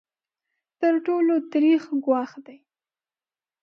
تر ټولو تریخ ګواښ دی.